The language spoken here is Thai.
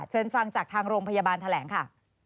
เชิญฟังจากทางโรงพยาบาลแถลงค่ะ